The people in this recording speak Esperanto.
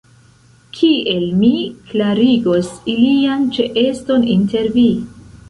Kiel mi klarigos ilian ĉeeston inter vi?